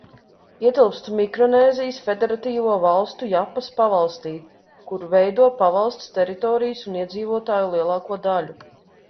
Ietilpst Mikronēzijas Federatīvo Valstu Japas pavalstī, kur veido pavalsts teritorijas un iedzīvotāju lielāko daļu.